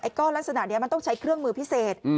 ก้อนลักษณะนี้มันต้องใช้เครื่องมือพิเศษ